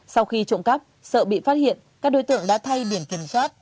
sau khi trộm cắp sợ bị phát hiện các đối tượng đã thay biển kiểm soát